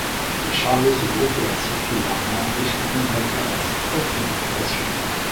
Les chariots se groupèrent circulairement, et chacun vaqua à ses propres occupations.